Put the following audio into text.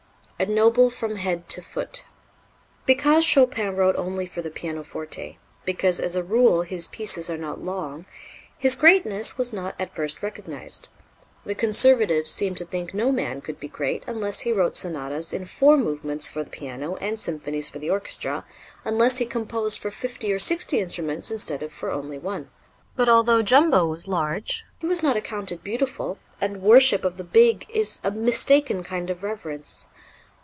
A Noble from Head to Foot. Because Chopin wrote only for the pianoforte, because as a rule his pieces are not long, his greatness was not at first recognized. The conservatives seemed to think no man could be great unless he wrote sonatas in four movements for the piano and symphonies for the orchestra, unless he composed for fifty or sixty instruments instead of for only one. But although Jumbo was large, he was not accounted beautiful, and worship of the big is a mistaken kind of reverence.